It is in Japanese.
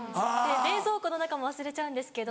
冷蔵庫の中も忘れちゃうんですけど